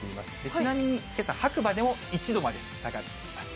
ちなみにけさ、白馬でも１度まで下がっています。